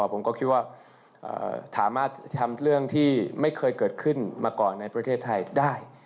ผมก็คิดว่าสามารถทำเรื่องที่ไม่เคยเกิดขึ้นมาก่อนในประเทศไทยได้